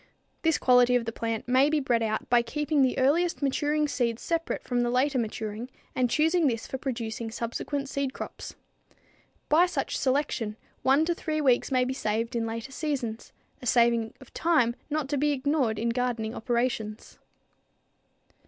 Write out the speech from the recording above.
This quality of the plant may be bred out by keeping the earliest maturing seed separate from the later maturing and choosing this for producing subsequent seed crops. By such selection one to three weeks may be saved in later seasons, a saving of time not to be ignored in gardening operations.